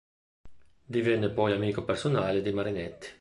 Divenne poi amico personale di Marinetti.